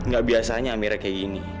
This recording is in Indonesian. gak biasanya amirnya kayak gini